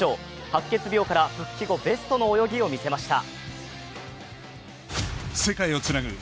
白血病から復帰後ベストの泳ぎを見せました。